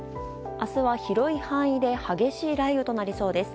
明日は広い範囲で激しい雷雨となりそうです。